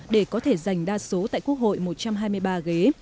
để có thể giành đa số tại quốc hội một trăm hai mươi ba ghế